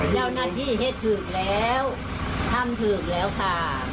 แล้วนาที่ให้ถือกแล้วทำถือกแล้วค่ะ